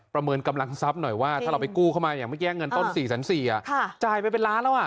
เมินกำลังทรัพย์หน่อยว่าถ้าเราไปกู้เข้ามาอย่างเมื่อกี้เงินต้น๔๔๐๐บาทจ่ายไปเป็นล้านแล้วอ่ะ